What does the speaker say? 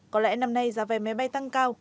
có lẽ năm nay giá vé máy bay tăng cao